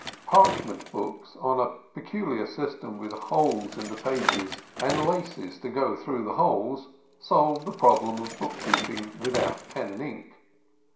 Parchment books on a peculiar system with holes in the pages and laces to go through the holes solved the problem of bookkeeping without pen and ink.